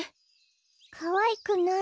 かわいくない。